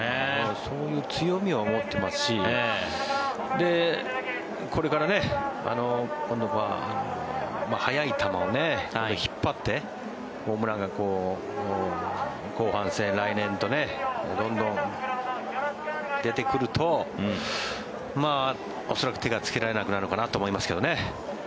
そういう強みを持っていますしこれから今度は速い球を引っ張ってホームランが後半戦、来年とどんどん出てくると恐らく、手がつけられなくなるのかなと思いますけどね。